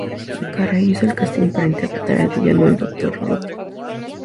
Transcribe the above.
Jim Carrey hizo el casting para interpretar el villano, el Dr. Robotnik.